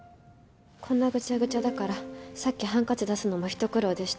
こんなぐちゃぐちゃだからさっきハンカチ出すのもひと苦労でした。